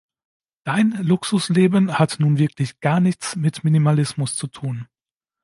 Dein Luxusleben hat nun wirklich gar nichts mit Minimalismus zu tun.